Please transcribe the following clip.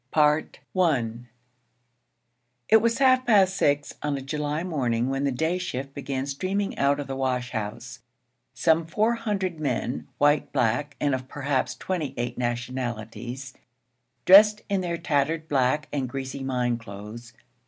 I It was half past six on a July morning when the day shift began streaming out of the wash house: some four hundred men, white, black, and of perhaps twenty eight nationalities, dressed in their tattered, black, and greasy mine clothes.